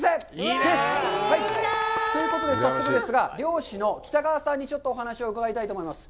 いいなぁ！ということで、早速ですが、漁師の北川さんにちょっとお話を伺いたいと思います。